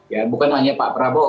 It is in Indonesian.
ya bukan hanya pak prabowo